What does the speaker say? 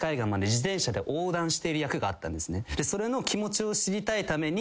それの気持ちを知りたいために。